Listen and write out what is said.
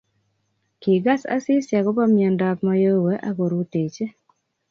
kigas Asisi akobo miondab Mayowe ak korutechi